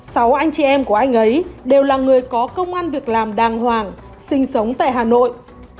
sáu anh chị em của anh ấy đều là người có công an việc làm đàng hoàng sinh sống tại hà nội